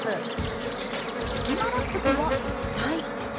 「スキマラップ」とは一体？